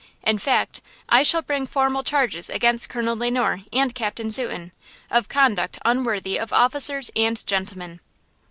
In fact I shall bring formal charges against Colonel Le Noir and Captain Zuten, of conduct unworthy of officers and gentlemen!"